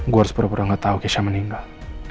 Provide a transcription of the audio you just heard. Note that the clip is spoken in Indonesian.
gue harus pura pura gak tau keisha meninggal